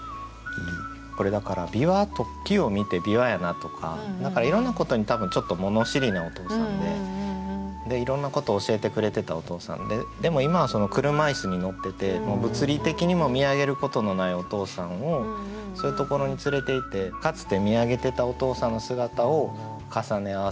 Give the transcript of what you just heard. これだから木を見て「びわやな」とかいろんなことに多分ちょっと物知りなお父さんでいろんなことを教えてくれてたお父さんででも今は車椅子に乗ってて物理的にも見上げることのないお父さんをそういうところに連れていってかつて見上げてたお父さんの姿を重ね合わせたいんじゃないかなと。